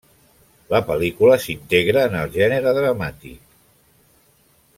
La pel·lícula s'integra en el gènere drama.